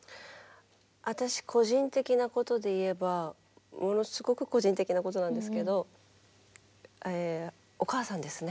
私個人的なことで言えばものすごく個人的なことなんですけどお母さんですね。